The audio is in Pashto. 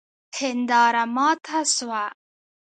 هنداره ماته سوه